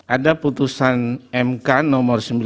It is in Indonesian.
ada putusan mk no sembilan puluh